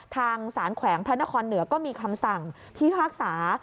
ทางสารแขวงพระนครเหนือก็มีคำสั่งพิพากษา